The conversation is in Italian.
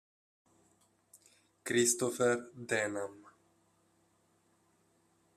Christopher Denham